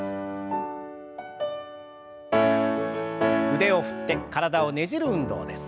腕を振って体をねじる運動です。